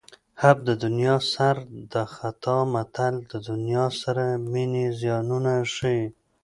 حب د دنیا سر د خطا متل د دنیا سره مینې زیانونه ښيي